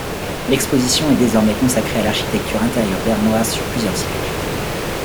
L'exposition est désormais consacrée à l'architecture intérieure bernoise sur plusieurs siècles.